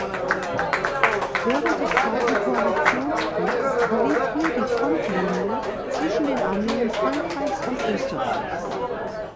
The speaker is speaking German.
Während des Zweiten Koalitionskriegs verlief hier die Frontlinie zwischen den Armeen Frankreichs und Österreichs.